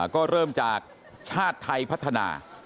ก็เริ่มจากชาติไทยพัฒนา